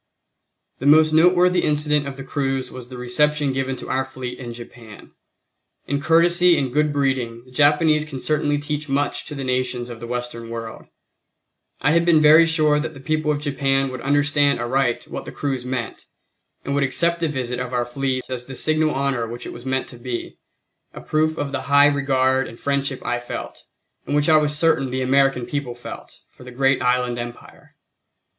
The most noteworthy incident of the cruise was the reception given to our fleet in Japan. In courtesy and good breeding, the Japanese can certainly teach much to the nations of the Western world. I had been very sure that the people of Japan would understand aright what the cruise meant, and would accept the visit of our fleet as the signal honor which it was meant to be, a proof of the high regard and friendship I felt, and which I was certain the American people felt, for the great Island Empire.